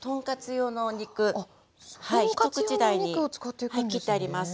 一口大に切ってあります。